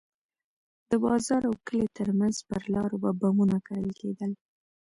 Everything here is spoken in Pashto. د بازار او کلي ترمنځ پر لارو به بمونه کرل کېدل.